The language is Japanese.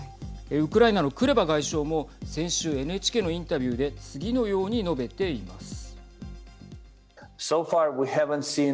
ウクライナのクレバ外相も先週ＮＨＫのインタビューで次のように述べています。